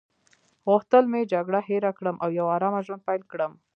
غوښتل مې جګړه هیره کړم او یو آرامه ژوند پیل کړم.